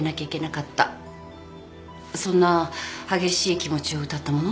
そんな激しい気持ちを歌ったもの。